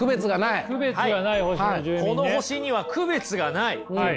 この星には区別がない。